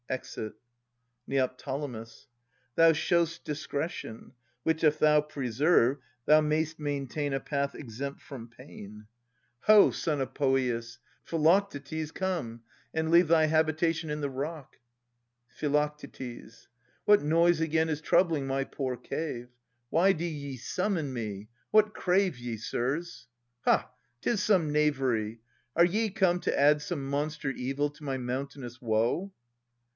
\Exit. Neo. Thou show'st discretion : which if thou preserve, Thou may'st maintain a path exempt from pain. 312 Philodetes [1261 1286 Ho ! son of Poeas, Philoctetes, come And leave thy habitation in the rock. Phi. What noise again is troubling my poor cave? Why do ye summon me? What crave ye, sirs? Ha ! 'tis some knavery. Are ye come to add Some monster evil to my mountainous woe